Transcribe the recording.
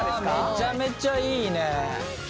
めちゃめちゃいいね。